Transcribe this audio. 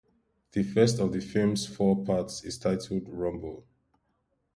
The first of the film's four parts is titled "Rumble".